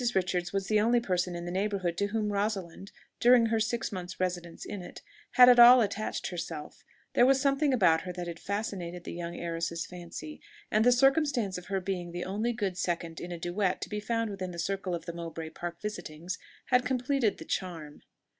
Richards was the only person in the neighbourhood to whom Rosalind, during her six months' residence in it, had at all attached herself: there was something about her that had fascinated the young heiress's fancy, and the circumstance of her being the only good second in a duet to be found within the circle of the Mowbray Park visitings had completed the charm.